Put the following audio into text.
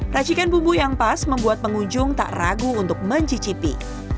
racikan bumbu yang pas membuat pengunjung tak ragu untuk mencicipi